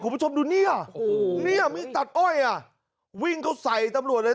คุณผู้ชมดูเนี่ยโอ้โหเนี่ยมีตัดอ้อยอ่ะวิ่งเขาใส่ตำรวจเลย